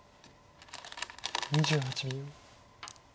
２８秒。